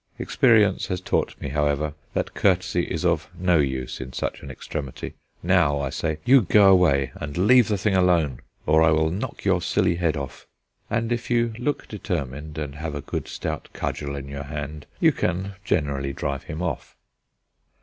Experience has taught me, however, that courtesy is of no use in such an extremity. Now I say: "You go away and leave the thing alone, or I will knock your silly head off." And if you look determined, and have a good stout cudgel in your hand, you can generally drive him off.